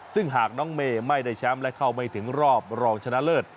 ซึ่งหากน้องเมย์ไม่ได้แชมป์และเข้าไม่ถึงรอบรองชนะเลิศ